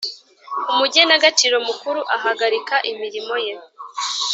Umugenagaciro mukuru ahagarika imirimo ye